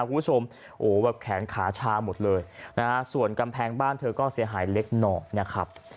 คุณผู้ชมโอ้โหแบบแขนขาชาหมดเลยนะฮะส่วนกำแพงบ้านเธอก็เสียหายเล็กหน่อยนะครับ